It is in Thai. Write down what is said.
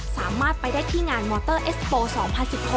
สามารถไปได้ที่งานมอเตอร์เอสโปร์๒๐๑๖